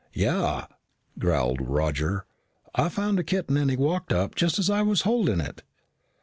"Yeah," growled Roger. "I found a kitten and he walked up just as I was holding it."